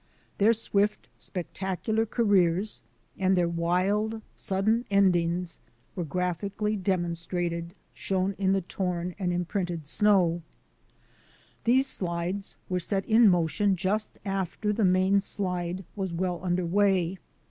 Their swift, spectacular careers and their wild, sudden endings were graph ically, dramatically shown in the torn and im printed snow. These slides were set in motion just after the main slide was well under way.